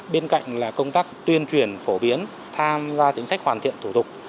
bên cạnh là công tác tuyên truyền phổ biến tham gia chính sách hoàn thiện thủ tục